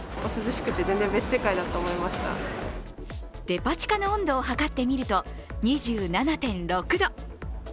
デパ地下の温度を測ってみると、２７．６度。